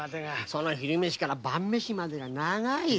その昼飯から晩飯までがまた長い。